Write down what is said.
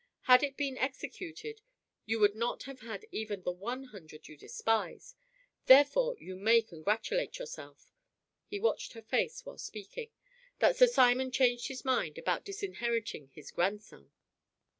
Had it been executed, you would not have had even the one hundred you despise. Therefore, you may congratulate yourself" he watched her face while speaking "that Sir Simon changed his mind about disinheriting his grandson."